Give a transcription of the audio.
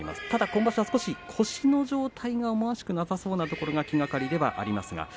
ただ今場所は少し腰の状態が思わしくなさそうなところが気がかりではあります。